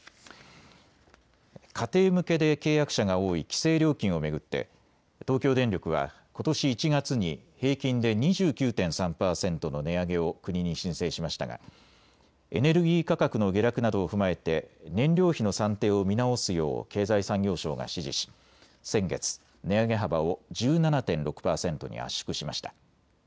家庭向けで契約者が多い規制料金を巡って東京電力はことし１月に平均で２９．３％の値上げを国に申請しましたがエネルギー価格の下落などを踏まえて燃料費の算定を見直すよう経済産業省が指示し先月、値上げ幅を１７．６％に圧縮しました。